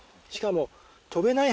しかも。